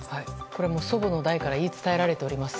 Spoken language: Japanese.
これは祖母の代から言い伝えられております。